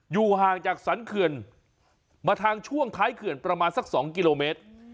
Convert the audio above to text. อยู่ฮ่างจากสันคืนมาทางช่วงท้ายคืนประมาณสักสองกิโลเมตร